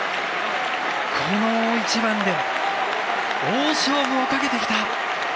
この大一番で大勝負をかけてきた。